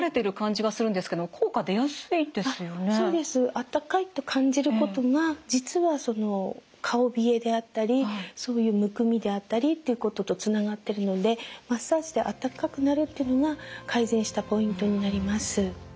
温かいと感じることが実は顔冷えであったりそういうむくみであったりっていうこととつながってるのでマッサージで温かくなるっていうのが改善したポイントになります。